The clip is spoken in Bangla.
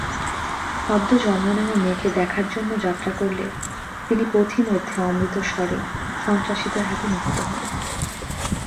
সদ্য জন্ম নেওয়া মেয়েকে দেখার জন্য যাত্রা করলে তিনি পথিমধ্যে অমৃতসরে সন্ত্রাসীদের হাতে নিহত হন।